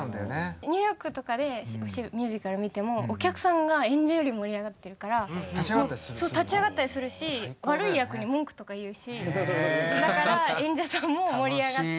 ニューヨークとかでミュージカル見てもお客さんが演者より盛り上がってるから立ち上がったりするし悪い役に文句とか言うしだから演者さんも盛り上がって。